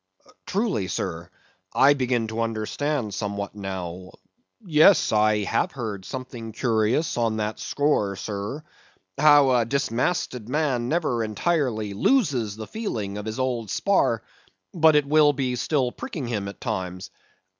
Truly, sir, I begin to understand somewhat now. Yes, I have heard something curious on that score, sir; how that a dismasted man never entirely loses the feeling of his old spar, but it will be still pricking him at times.